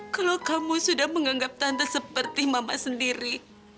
kalau kamu sudah menganggap tante seperti mama sendiri